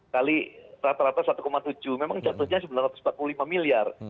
kali rata rata satu tujuh memang jatuhnya sembilan ratus empat puluh lima miliar